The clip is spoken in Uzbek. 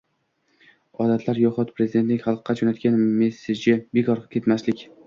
Odatlar yoxud Prezidentning xalqqa jo‘natgan “messeji” bekorga ketmasin